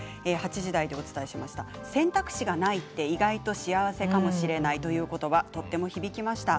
８時台でお伝えしました選択肢がないって意外と幸せかもしれないという言葉とても響きました。